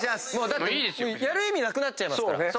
だってやる意味なくなっちゃいますから。